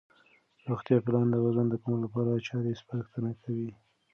روغتیا پالان د وزن د کمولو لارې چارې سپارښتنه کوي.